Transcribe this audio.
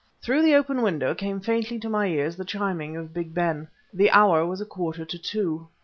Through the open window came faintly to my ears the chiming of Big Ben. The hour was a quarter to two.